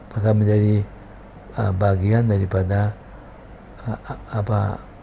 maka menjadi bagian dari partai